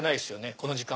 この時間。